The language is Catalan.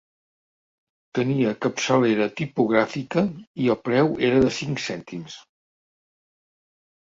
Tenia capçalera tipogràfica i el preu era de cinc cèntims.